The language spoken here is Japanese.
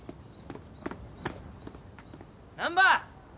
難破！